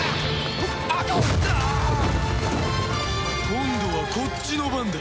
今度はこっちの番だ。